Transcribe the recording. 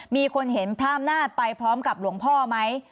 มีคนเห็นพร่ามหน้าไปพร้อมกับหลวงพ่อมั้ย